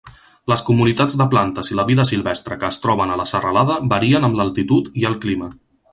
Les comunitats de plantes i la vida silvestre que es troben a la serralada varien amb l'altitud i el clima.